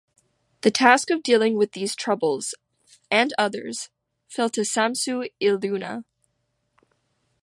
The task of dealing with these troubles-and others-fell to Samsu-iluna.